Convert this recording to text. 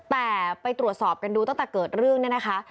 แต่ไปตรวจสอบกันดูตั้งแต่เกิดเรื่องเนี่ยนะคะ